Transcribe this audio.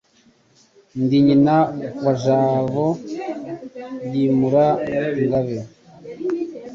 Ndi nyina wa Jabo Ryimura ingabe,